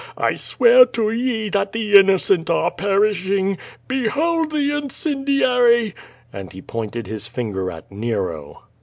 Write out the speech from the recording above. I swear to ye that the innocent are perishing. Behold the incendiary!" And he pointed his finger at Xero.